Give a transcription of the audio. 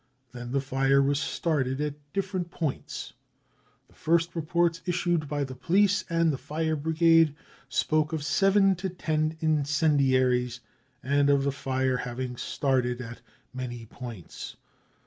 Then the fire was started at the different points. The first reports issued by the police and the fire brigade spoke of seven to ten incendiaries and of the fire having started at many points.